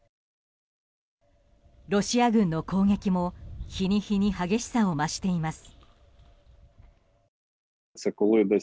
ロシア軍の攻撃も日に日に激しさを増しています。